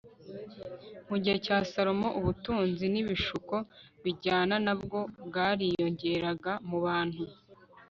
mu gihe cya salomo, ubutunzi n'ibishuko bijyana na bwo bwariyongeraga mu bantu